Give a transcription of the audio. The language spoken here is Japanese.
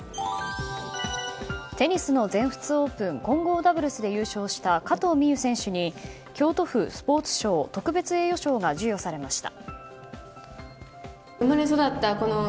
テニスの全仏オープン混合ダブルスで優勝した加藤未唯選手に京都府スポーツ賞特別栄誉賞が授与されました。